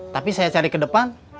tapi saya cari ke depan